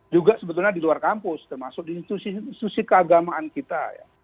juga sebetulnya di luar kampus termasuk di institusi keagamaan kita